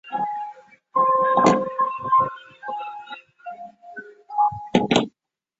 黑龙江碘泡虫为碘泡科碘泡虫属的动物。